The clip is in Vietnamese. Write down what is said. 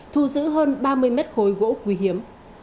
thu giữ hơn ba mươi mét khối gỗ quý hiếm